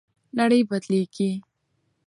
نړۍ بدلیږي.